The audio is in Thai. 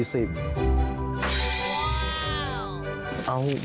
พอได้กำไรพอแล้วดีกว่ามานั่งรอค่ะ